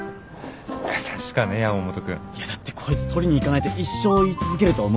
優しかね山本君。いやだってこいつ取りに行かないと一生言い続けると思うんで。